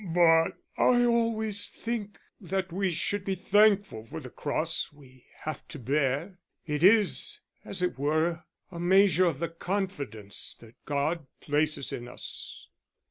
"But I always think that we should be thankful for the cross we have to bear. It is, as it were, a measure of the confidence that God places in us."